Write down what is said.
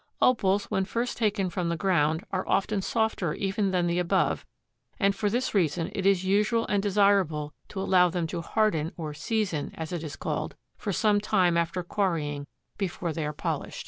Opals when first taken from the ground are often softer even than the above and for this reason it is usual and desirable to allow them to harden or "season," as it is called, for some time after quarrying, before they are polished.